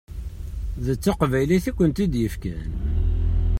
D taqbaylit i kent-id-yefkan.